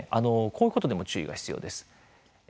こういうことにも注意が必要です。